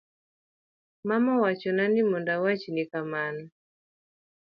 Mama owachona ni mondo awachni kamano